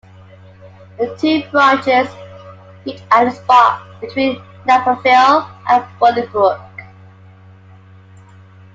The two branches meet at a spot between Naperville and Bolingbrook.